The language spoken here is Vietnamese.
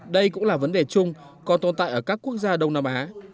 đây cũng là vấn đề chung còn tồn tại ở các quốc gia đông nam á